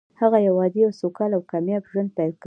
هغه يو عادي او سوکاله او کامياب ژوند پيل کړ.